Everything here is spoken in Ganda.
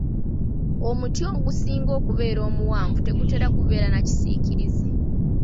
Omuti ogusinga okubeera omuwanvu tegutera kubeera na kisiikirize.